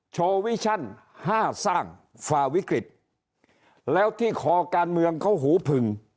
โชว์วิชั่นห้าสร้างฝ่าวิกฤตแล้วที่คอการเมืองเขาหูผึง